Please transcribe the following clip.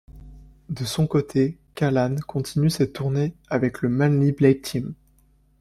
De son côté, Callan, continue ses tournées avec le Manly Blade Team.